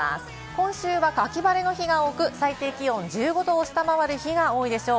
今週は秋晴れの日が多く、最低気温１５度を下回る日が多いでしょう。